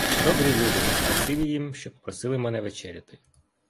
Добрі люди, спасибі їм, попросили мене вечеряти.